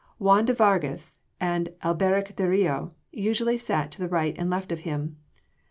Juan de Vargas and Alberic del Rio usually sat to right and left of him.